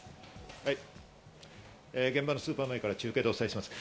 はい、現場のスーパー前から中継でお伝えします。